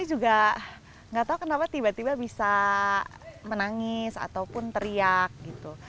saya juga nggak tahu kenapa tiba tiba bisa menangis ataupun teriak gitu